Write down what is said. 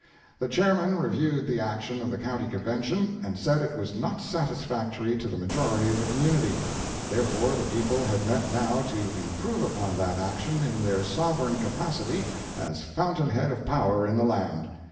] The Chairman reviewed the action of the County Convention, and said it was not satisfactory to the majority of the community; therefore the people had met now to improve upon that action in their sovereign capacity as fountain head of power in the land.